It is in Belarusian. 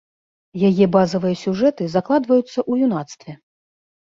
Яе базавыя сюжэты закладваюцца ў юнацтве.